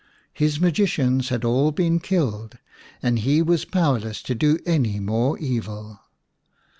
His magicians had all been killed, and he was powerless to do any more evil.